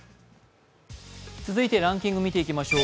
続いてランキング見ていきましょう。